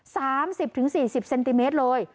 สามสิบถึงสี่สิบเซนติเมตรเลย